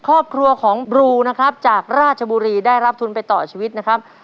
ครอบครัวของบลูนะครับจากราชบุรีได้รับทุนไปต่อชีวิตนะครับ